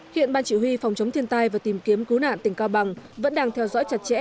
hiện ban chỉ huy phòng chống thiên tai và tìm kiếm cứu nạn tỉnh cao bằng vẫn đang theo dõi chặt chẽ